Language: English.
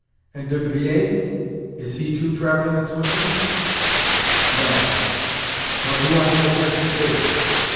"And De Griers? Is he too travelling in Switzerland?" "No; nor do I know where he is.